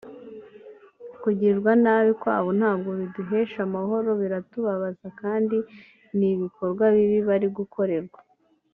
kugirirwa nabi kwabo ntabwo biduhesheje amahoro biratubabaza kandi ni ibikorwa bibi bari gukorerwa